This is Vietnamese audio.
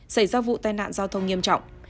xảy ra vụ tai nạn giao thông nghiêm trọng